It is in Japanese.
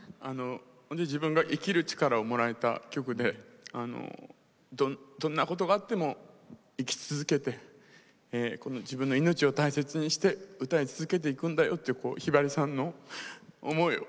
自分が生きる力をもらえた曲でどんなことがあっても生き続けてこの自分の命を大切にして歌い続けていくんだよというひばりさんの思いを感じる一曲です。